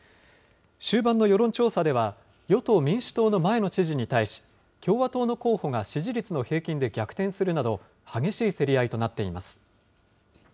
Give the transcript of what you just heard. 終盤の世論調査では、与党・民主党の前の知事に対し、共和党の候補が支持率の平均で逆転するなど、激しい競り合いとなっています。